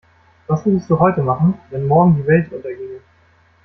Was würdest du heute machen, wenn morgen die Welt unterginge?